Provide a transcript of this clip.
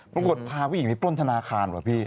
พาผู้หญิงไปปล้นธนาคารเหรอพี่